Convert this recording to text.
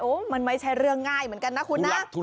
มันไม่ใช่เรื่องง่ายเหมือนกันนะคุณนะ